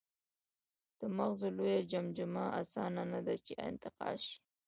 د مغزو لویه جمجمه اسانه نهده، چې انتقال شي.